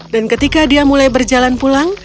dan ketika dia mulai berjalan pulang